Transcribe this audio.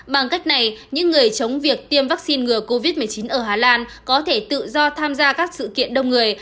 bằng cách này những người chống việc tiêm vaccine ngừa covid một mươi chín ở hà lan có thể tự do tham gia các sự kiện đông người